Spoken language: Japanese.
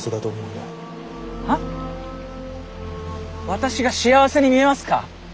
私が幸せに見えますか？